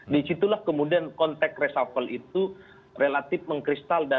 disitulah kemudian konteks resafel itu relatif mengkristalikan